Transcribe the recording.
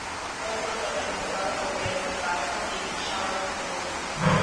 Fue protagonizada por Greta Garbo y Charles Boyer.